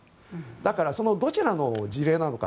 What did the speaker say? だから、どちらの事例なのか。